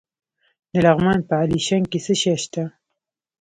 د لغمان په علیشنګ کې څه شی شته؟